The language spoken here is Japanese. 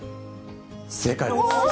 正解です。